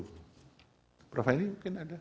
prof ini mungkin ada